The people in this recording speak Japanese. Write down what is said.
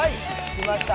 きました！